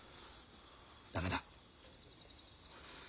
駄目だ。